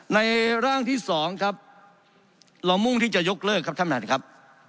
ในร่างที่๒ครับเรามุ่งที่จะยกเลิกครับท่านประธานครับ